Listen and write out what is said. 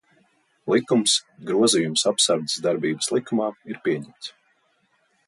"Likums "Grozījums Apsardzes darbības likumā" ir pieņemts."